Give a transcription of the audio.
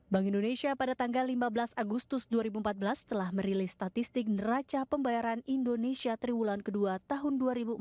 bank indonesia pada tanggal lima belas agustus dua ribu empat belas telah merilis statistik neraca pembayaran indonesia triwulan kedua tahun dua ribu empat belas